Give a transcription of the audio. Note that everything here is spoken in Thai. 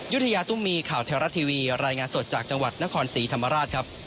ยุธยาตุ้มมีข่าวแถวรัฐทีวีรายงานสดจากจังหวัดนครศรีธรรมราชครับ